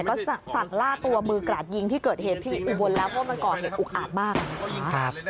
ก็สั่งล่าตัวมือกราดยิงที่เกิดเหตุที่อุบลแล้วเพราะมันก่อเหตุอุกอาจมากนะคะ